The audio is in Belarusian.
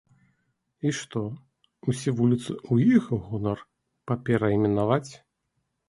І што, усе вуліцы ў іх гонар паперайменаваць?